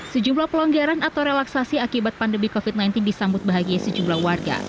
sejumlah pelonggaran atau relaksasi akibat pandemi covid sembilan belas disambut bahagia sejumlah warga